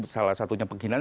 salah satunya penghinaan